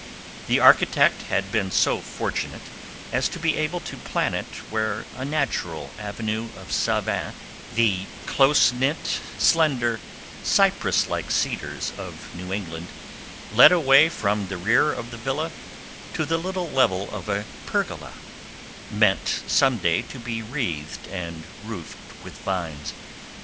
The architect had been so fortunate as to be able to plan it where a natural avenue of savins, the closeknit, slender, cypress like cedars of New England, led away from the rear of the villa to the little level of a pergola, meant some day to be wreathed and roofed with vines.